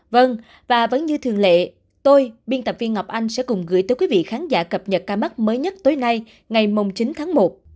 vâng và vẫn như thường lệ tôi biên tập viên ngọc anh sẽ cùng gửi tới quý vị khán giả cập nhật ca mắc mới nhất tối nay ngày chín tháng một